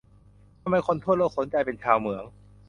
ทำไมคนทั่วโลกสนใจเป็นชาวเหมือง